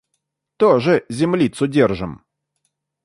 Тоже землицу держим.